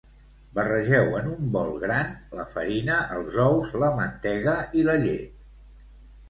Barregeu en un bol gran la farina, els ous, la mantega i la llet.